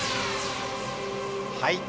はい。